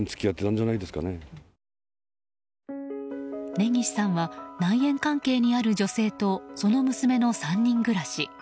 根岸さんは内縁関係にある女性とその娘の３人暮らし。